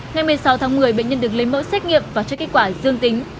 ngày một mươi sáu tháng một mươi bệnh nhân được lấy mẫu xét nghiệm và cho kết quả dương tính